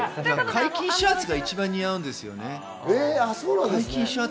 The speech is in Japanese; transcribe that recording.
開襟シャツが一番似合うんですよね。